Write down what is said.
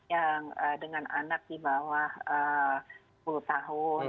yang dengan anak di bawah sepuluh tahun